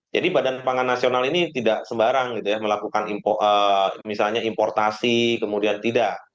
jadi badan pangan nasional ini tidak sembarang gitu ya melakukan misalnya importasi kemudian tidak